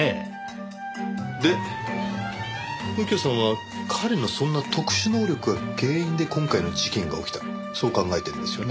で右京さんは彼のそんな特殊能力が原因で今回の事件が起きたそう考えてるんですよね？